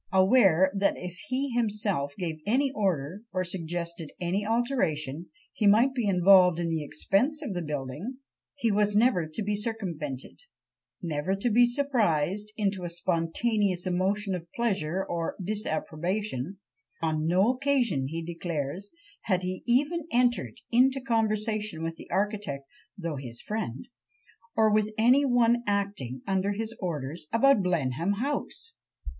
Aware that if he himself gave any order, or suggested any alteration, he might be involved in the expense of the building, he was never to be circumvented never to be surprised into a spontaneous emotion of pleasure or disapprobation; on no occasion, he declares, had he even entered into conversation with the architect (though his friend) or with any one acting under his orders, about Blenheim House!